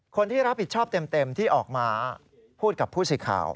คนที่รับผิดชอบเต็มที่ออกมาพูดกับผู้สื่อข่าว